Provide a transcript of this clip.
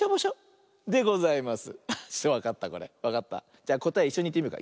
じゃこたえいっしょにいってみようか。